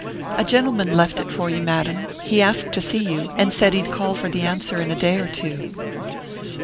"A gentleman left it for you, madam; he asked to see you, and said he'd call for the answer in a day or two."